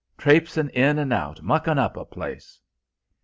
trapsin' in an' out, muckin' up a place!"